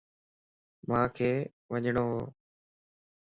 مانک وڃڻوَ